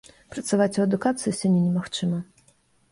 Працаваць у адукацыі сёння немагчыма.